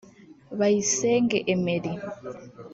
Bayisenge Emery